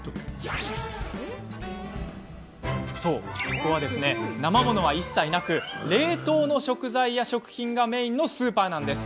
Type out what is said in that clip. ここは、なま物は一切なく冷凍の食品や食材がメインのスーパーなんです。